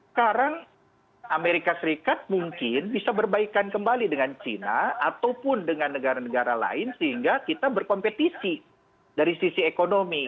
sekarang amerika serikat mungkin bisa berbaikan kembali dengan china ataupun dengan negara negara lain sehingga kita berkompetisi dari sisi ekonomi